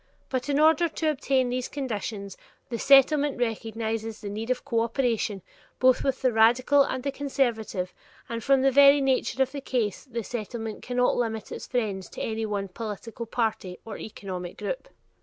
But in order to obtain these conditions, the Settlement recognizes the need of cooperation, both with the radical and the conservative, and from the very nature of the case the Settlement cannot limit its friends to any one political party or economic school.